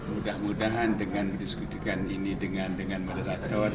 mudah mudahan dengan mendiskusikan ini dengan moderator